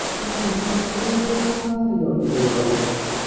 সন্তানদের স্কুলে দিয়ে সেখান থেকেই নগরের পাথরঘাটায় বাবার বাড়ি চলে যান।